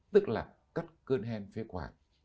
tức là cắt cơn hen phế khoản